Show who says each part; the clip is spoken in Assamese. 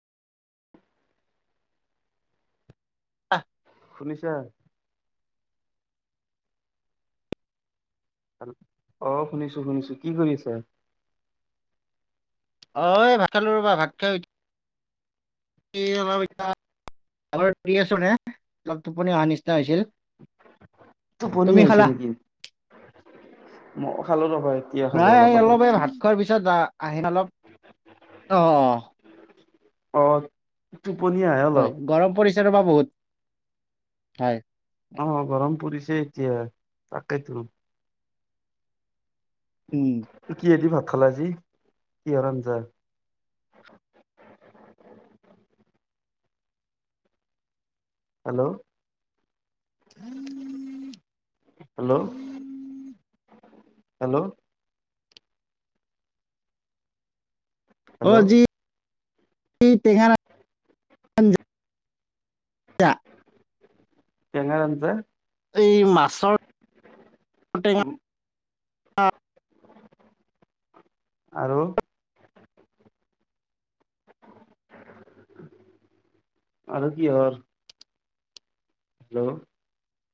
Speaker 1: আহ
Speaker 2: শুনিছা হেল্ল অ শুনিছো শুনিছো কি কৰি আছা
Speaker 1: অ ভাত খালো ৰ'বা ভাত খাই কি শুনা পাইছা এবাৰ পৰি আছো নে অলপ টোপনি অহা নিচিনা হৈছিল
Speaker 2: টোপনি
Speaker 1: তুমি
Speaker 2: আহিছে
Speaker 1: খালা
Speaker 2: নেকি মই খালো ৰবা এতিয়া খালো
Speaker 1: নাই
Speaker 2: অলপ
Speaker 1: এই
Speaker 2: আগত
Speaker 1: এই ভাত খোৱাৰ পিছত আহ আহেন অলপ অ অ
Speaker 2: অ টুপনি আহে অলপ
Speaker 1: হয় গৰম পৰিছে ৰ'বা বহুত হয়
Speaker 2: অ অ গৰম পৰিছে এতিয়া তাকেইতো
Speaker 1: উম
Speaker 2: কিহে দি ভাত খালা আজি, কিহৰ আঞ্জা? হেল্ল' হেল্ল' হেল্ল'
Speaker 1: অ
Speaker 2: হেল্ল'
Speaker 1: যি টেঙাৰ
Speaker 2: টেঙাৰ আঞ্জা
Speaker 1: এই মাছৰ টেঙা
Speaker 2: আৰু [unintelligible] আৰু কি হয় হেল্ল'